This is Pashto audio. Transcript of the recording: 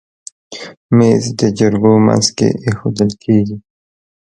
مېز د جرګو منځ کې ایښودل کېږي.